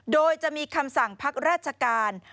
โดยจะมีคำสั่งพักราชการ